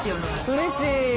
うれしい。